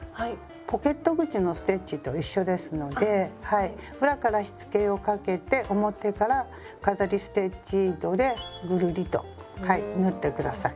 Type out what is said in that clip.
ポケット口のステッチと一緒ですので裏からしつけをかけて表から飾りステッチ糸でぐるりと縫ってください。